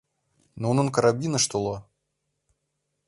— Нунын карабинышт уло!